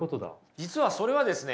実はそれはですね